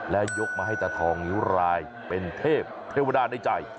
และยกมาให้ตาทองนิ้วรายเป็นเทพเทวดาในใจ